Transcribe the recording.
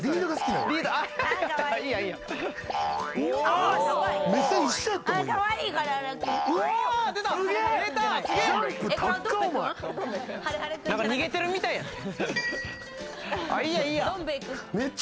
なんか逃げてるみたいやん。